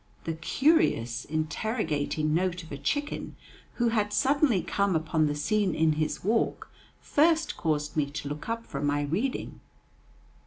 The curious, interrogating note of a chicken who had suddenly come upon the scene in his walk first caused me to look up from my reading.